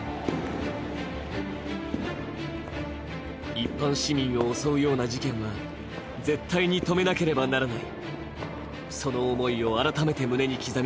一般市民を襲うような事件は絶対に止めなければならない。